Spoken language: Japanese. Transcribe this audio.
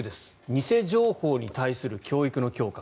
偽情報に対する教育の強化